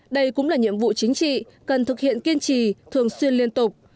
đây cũng là nhiệm vụ chính trị cần thực hiện kiên trì thường xuyên liên tục